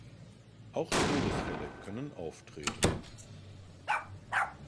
Auch Todesfälle können auftreten.